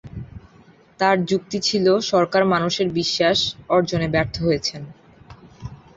তার যুক্তি ছিল, সরকার মানুষের বিশ্বাস অর্জনে ব্যর্থ হয়েছেন।